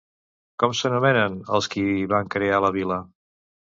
Com s'anomenen els qui van crear la vila?